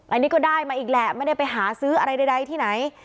อันนี้ก็ได้มาอีกแหละไม่ได้ไปหาซื้ออะไรใดที่ไหน